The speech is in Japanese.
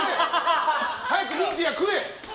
早くミンティア食え！